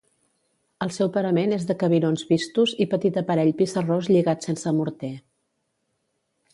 El seu parament és de cabirons vistos i petit aparell pissarrós lligat sense morter.